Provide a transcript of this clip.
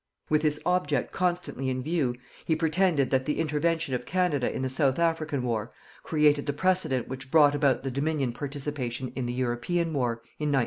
With this object constantly in view, he pretended that the intervention of Canada in the South African War created the precedent which brought about the Dominion participation in the European war, in 1914.